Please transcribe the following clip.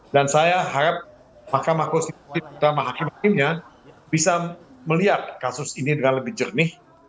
dan saya harap mahkamah kostitutif dan mahkamah hakim hakim bisa melihat kasus ini dengan lebih jernih